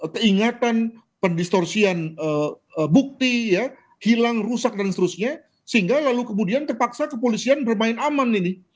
keingatan pendistorsian bukti ya hilang rusak dan seterusnya sehingga lalu kemudian terpaksa kepolisian bermain aman ini